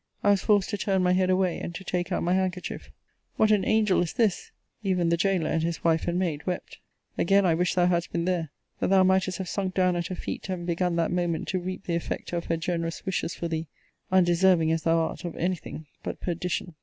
I was forced to turn my head away, and to take out my handkerchief. What an angel is this! Even the gaoler, and his wife and maid, wept. Again I wish thou hadst been there, that thou mightest have sunk down at her feet, and begun that moment to reap the effect of her generous wishes for thee; undeserving, as thou art, of any thing but perdition.